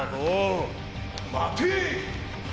待て！